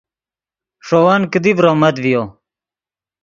ݰے ون کیدی ڤرومت ڤیو